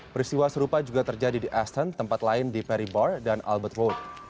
peristiwa serupa juga terjadi di astan tempat lain di perry bar dan albert road